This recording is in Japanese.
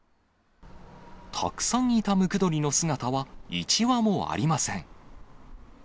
たくさんいたムクドリの姿は１羽もありません。